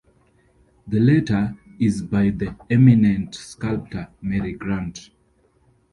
The latter is by the eminent sculptor Mary Grant.